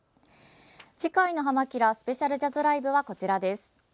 次回の「はま☆キラ！スペシャルジャズライブ」はこちらです。